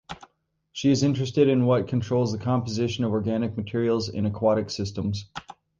She is interested in what controls the composition of organic materials in aquatic systems.